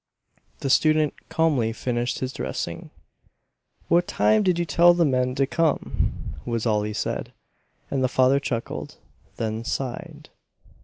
The student calmly finished his dressing. "What time did you tell the men to come?" was all he said; and the father chuckled, then sighed.